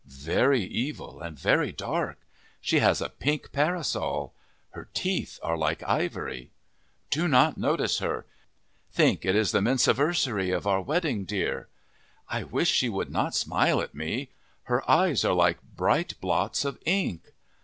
"Very evil and very dark. She has a pink parasol. Her teeth are like ivory." "Do not notice her. Think! It is the mensiversary of our wedding, dear!" "I wish she would not smile at me. Her eyes are like bright blots of ink."